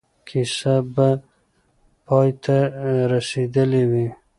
کیسه به پای ته رسېدلې وي.